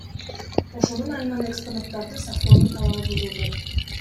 Ошонун айынан экспонаттарды сактоонун талабыбузулду.